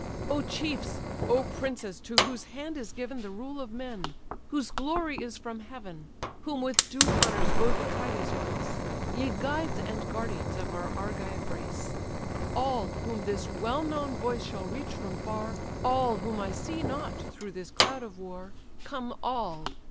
"O chiefs! O princes, to whose hand is given The rule of men; whose glory is from heaven! Whom with due honours both Atrides grace: Ye guides and guardians of our Argive race! All, whom this well known voice shall reach from far, All, whom I see not through this cloud of war; Come all!